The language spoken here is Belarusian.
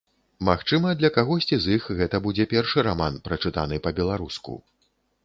Магчыма, для кагосьці з іх гэта будзе першы раман, прачытаны па-беларуску.